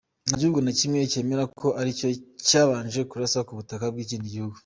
Nta gihugu na kimwe cyemera ko aricyo cyabanje kurasa ku butaka bw’ikindi gihugu.